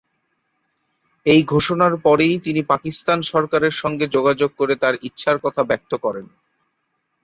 এই ঘোষণার পরেই তিনি পাকিস্তান সরকারের সঙ্গে যোগাযোগ করে তার ইচ্ছার কথা ব্যক্ত করেন।